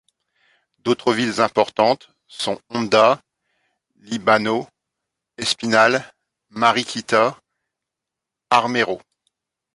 D'autres villes importantes sont Honda, Líbano, Espinal, Mariquita, Armero.